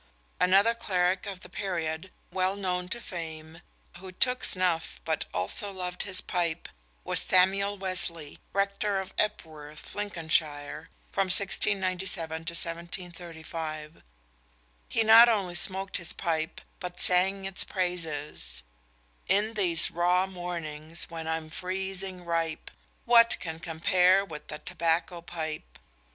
Another cleric of the period, well known to fame, who took snuff but also loved his pipe, was Samuel Wesley, rector of Epworth, Lincolnshire, from 1697 to 1735. He not only smoked his pipe, but sang its praises: _In these raw mornings, when I'm freezing ripe, What can compare with a tobacco pipe?